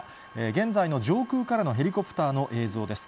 現在の上空からのヘリコプターからの映像です。